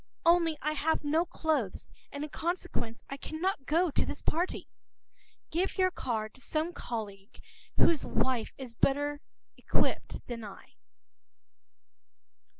Only I have no clothes, and in consequence I cannot go to this party. Give your card to some colleague whose wife has a better outfit than I.